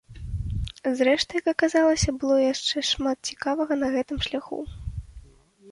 Зрэшты, як аказалася, было яшчэ шмат цікавага на гэтым шляху.